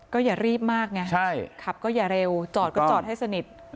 ก็อย่ารีบมากไงใช่ขับก็อย่าเร็วจอดก็จอดให้สนิท